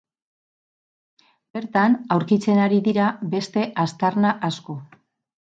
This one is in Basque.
Bertan aurkitzen ari dira beste aztarna asko.